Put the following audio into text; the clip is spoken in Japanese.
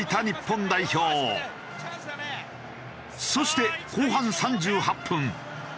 そして後半３８分。